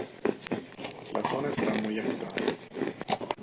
La zona está muy agitada.